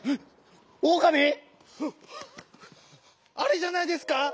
おおかみ⁉あれじゃないですか？